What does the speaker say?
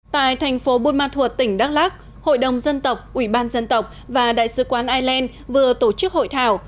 tại thành phố burma thuộc tỉnh đắk lắc hội đồng dân tộc ủy ban dân tộc và đại sứ quán island vừa tổ chức hội thảo